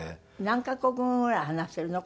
何カ国語ぐらい話せるの？